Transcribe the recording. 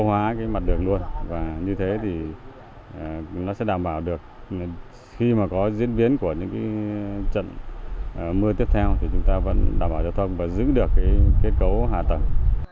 hóa cái mặt đường luôn và như thế thì nó sẽ đảm bảo được khi mà có diễn biến của những trận mưa tiếp theo thì chúng ta vẫn đảm bảo giao thông và giữ được cái kết cấu hạ tầng